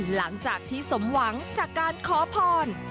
หลังจากที่สมหวังจากการขอพร